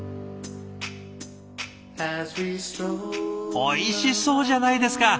おいしそうじゃないですか！